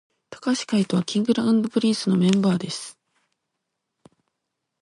髙橋海人は King & Prince のメンバーです